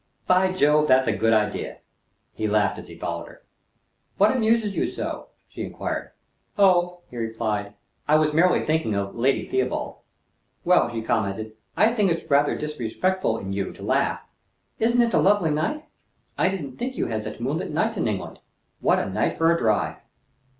"By Jove, that's a good idea!" He laughed as he followed her. "What amuses you so?" she inquired. "Oh!" he replied, "I am merely thinking of Lady Theobald." "Well," she commented, "I think it's rather disrespectful in you to laugh. Isn't it a lovely night? I didn't think you had such moonlight nights in England. What a night for a drive!"